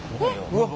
うわっ！